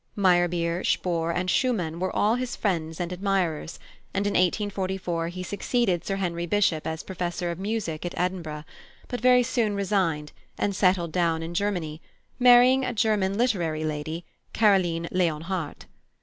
Meyerbeer, Spohr, and Schumann were all his friends and admirers; and in 1844 he succeeded Sir Henry Bishop as Professor of Music at Edinburgh, but very soon resigned, and settled down in Germany, marrying a German literary lady, Caroline Leonhardt.